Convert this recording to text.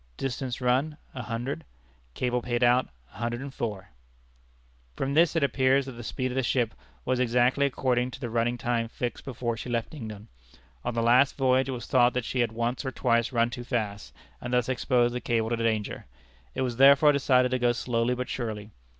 100 104 From this it appears that the speed of the ship was exactly according to the running time fixed before she left England. On the last voyage it was thought that she had once or twice run too fast, and thus exposed the cable to danger. It was, therefore, decided to go slowly but surely.